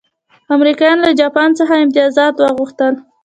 امریکایانو له جاپان څخه امتیازات وغوښتل.